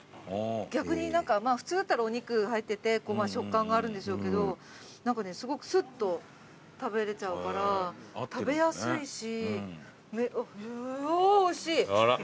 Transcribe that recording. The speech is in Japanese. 逆に普通だったらお肉入ってて食感があるんでしょうけど何かねすごくすっと食べれちゃうから食べやすいし。